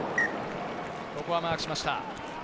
ここはマークしました。